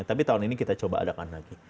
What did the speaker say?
tapi tahun ini kita coba adakan lagi